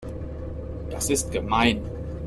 Das ist gemein.